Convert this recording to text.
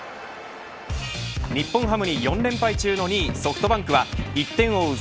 日本ハムに４連敗中の２位ソフトバンクは１点を追う